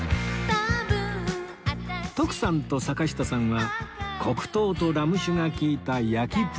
徳さんと坂下さんは黒糖とラム酒が利いた焼きプリン